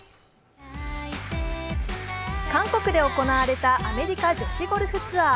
韓国で行われたアメリカ女子ゴルフツアー。